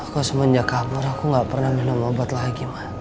aku semenjak kabur aku gak pernah minum obat lagi ma